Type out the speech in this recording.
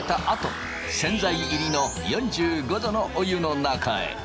あと洗剤入りの４５℃のお湯の中へ。